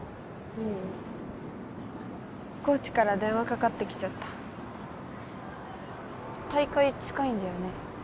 ううんコーチから電話かかってきちゃった大会近いんだよね？